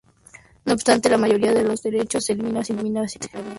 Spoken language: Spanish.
No obstante, la mayoría de los desechos se elimina simplemente colocándolos en algún lado.